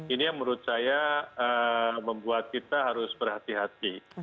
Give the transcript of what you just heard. ini yang menurut saya membuat kita harus berhati hati